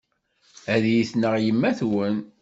Ad iyi-tneɣ yemma-twen.